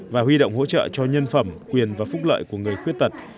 và huy động hỗ trợ cho nhân phẩm quyền và phúc lợi của người khuyết tật